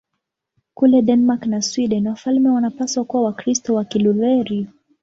Kule Denmark na Sweden wafalme wanapaswa kuwa Wakristo wa Kilutheri.